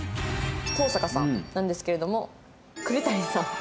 東坂さんなんですけれども栗谷さん。